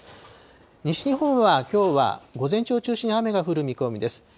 西日本は、きょうは午前中を中心に雨が降る見込みです。